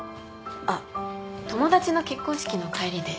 あっ友達の結婚式の帰りで。